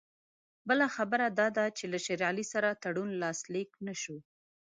بله خبره دا ده چې له شېر علي سره تړون لاسلیک نه شو.